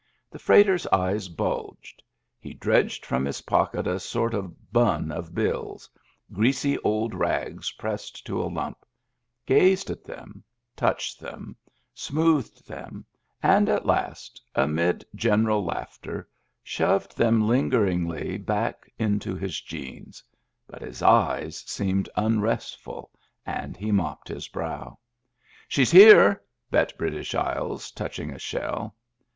The freight er's eyes bulged; he dredged from his pocket a sort of bun of bills, greasy old rags pressed to a lump, gazed at them, touched them, smoothed them, and at last, amid general laughter, shoved them lingeringly back into his jeans. But his eyes seemed unrestful, and he mopped his brow. " She's there !" bet British Isles, touching a shell.